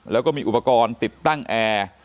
แล้วก็มีอุปกรณ์ติดตั้งแอร์